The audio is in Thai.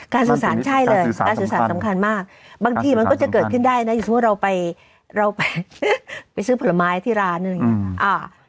สื่อสารใช่เลยการสื่อสารสำคัญมากบางทีมันก็จะเกิดขึ้นได้นะอย่างสมมุติเราไปเราไปซื้อผลไม้ที่ร้านอะไรอย่างนี้